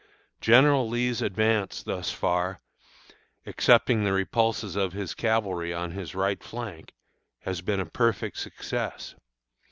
General Lee's advance thus far, excepting the repulses of his cavalry on his right flank, has been a perfect success.